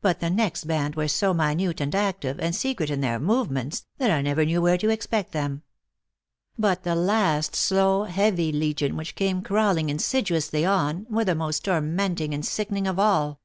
But the next band were so minute and active, and secret in their movements, that I never knew where to expect them. But the last slow, heavy legion which came crawling insidiously on, were the most tormenting and sickening of all.